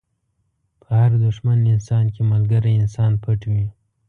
په هر دښمن انسان کې ملګری انسان پټ وي.